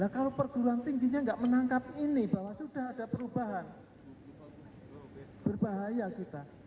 kalau perguruan tingginya nggak menangkap ini bahwa sudah ada perubahan berbahaya kita